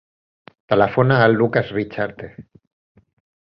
Telefona al Lukas Richarte.